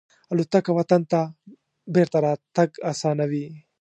الوتکه وطن ته بېرته راتګ آسانوي.